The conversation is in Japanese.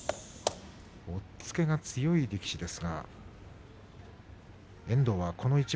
押っつけが強い力士です。